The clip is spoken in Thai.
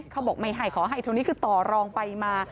เขาบอกไม่ให้ขอให้เท่านี้คือต่อรองไปมา